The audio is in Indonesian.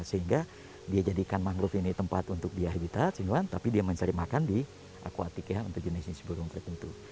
sehingga dia jadikan mangrove ini tempat untuk di habitat sinwan tapi dia mencari makan di akuatik ya untuk jenis jenis burung tertentu